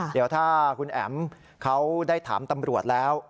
เดี๋ยวถ้าคุณแอ๋มเขาได้ถามตำรวจแล้ว